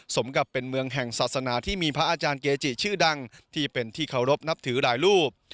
สมกับเป็นเมืองแห่งศาสนาที่มีพระอาจารย์เกจิชื่อดังที่เป็นที่เคารพนับถือหลายรูป